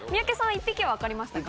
１匹は分かりましたか？